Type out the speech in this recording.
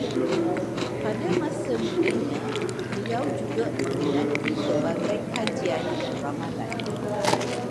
Pada masa mudanya, beliau juga meminati pelbagai kajian dan ramalan